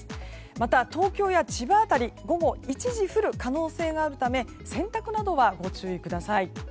また、東京や千葉辺り午後１時に降る可能性があるため洗濯などはご注意ください。